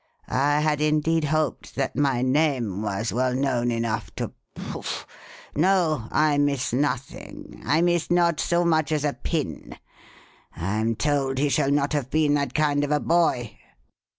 I had indeed hoped that my name was well known enough to Pouffe! No, I miss nothing I miss not so much as a pin. I am told he shall not have been that kind of a boy."